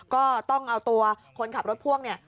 ก็ต้องเอาตัวคนขับรถพ่วงเนี่ย